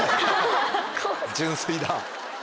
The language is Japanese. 純粋だ。